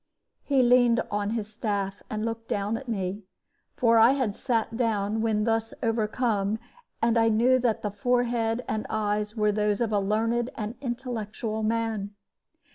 He leaned on his staff, and looked down at me, for I had sat down when thus overcome, and I knew that the forehead and eyes were those of a learned and intellectual man.